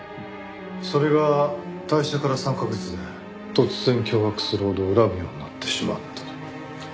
それが退社から３カ月で突然脅迫するほど恨むようになってしまったと。